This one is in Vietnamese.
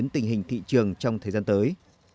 tuy nhiên thị trường trong thời gian tới